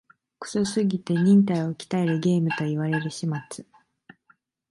クソすぎて忍耐を鍛えるゲームと言われる始末